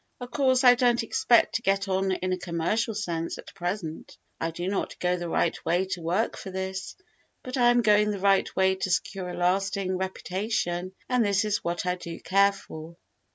Of course I don't expect to get on in a commercial sense at present, I do not go the right way to work for this; but I am going the right way to secure a lasting reputation and this is what I do care for.